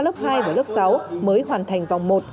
lớp hai và lớp sáu mới hoàn thành vòng một